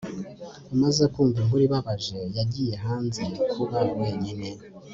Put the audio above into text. amaze kumva inkuru ibabaje, yagiye hanze kuba wenyine